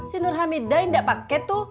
si nur hamidah yang gak pake tuh